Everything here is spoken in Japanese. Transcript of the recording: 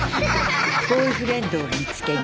ボーイフレンドを見つけに。